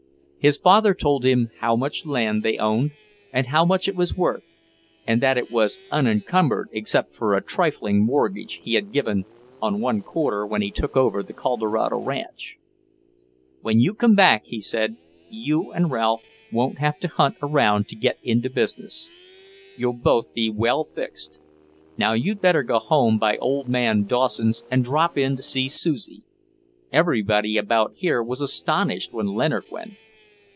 His father told him how much land they owned, and how much it was worth, and that it was unencumbered except for a trifling mortgage he had given on one quarter when he took over the Colorado ranch. "When you come back," he said, "you and Ralph won't have to hunt around to get into business. You'll both be well fixed. Now you'd better go home by old man Dawson's and drop in to see Susie. Everybody about here was astonished when Leonard went."